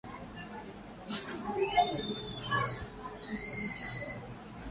Alishiriki mkutano uliojadili masuala ya Mabadiliko ya Tabia Nchi